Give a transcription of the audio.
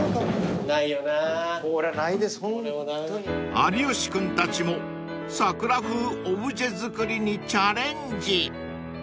［有吉君たちもさくら風オブジェ作りにチャレンジ］